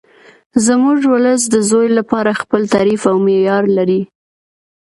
زموږ ولس د زوی لپاره خپل تعریف او معیار لري